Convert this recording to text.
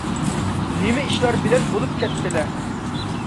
نېمە ئىشلار بىلەن بولۇپ كەتتىلە؟